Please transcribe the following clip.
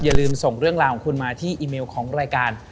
อย่าลืมส่งเรื่องราวของคุณมาที่อีเมลของรายการ